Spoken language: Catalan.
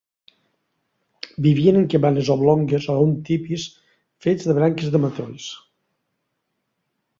Vivien en cabanes oblongues o en tipis fets de branques de matolls.